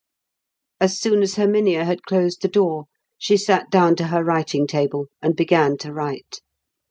As soon as Herminia had closed the door, she sat down to her writing table and began to write.